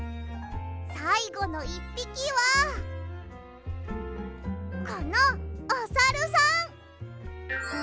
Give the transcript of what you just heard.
さいごの１ぴきはこのおサルさん！